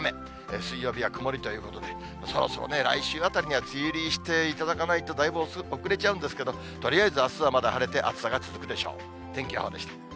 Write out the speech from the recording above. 水曜日は曇りということで、そろそろね、来週あたりには梅雨入りしていただかないと、だいぶ遅れちゃうんですけど、とりあえずあすはまだ晴れて、暑さが続くでしょう。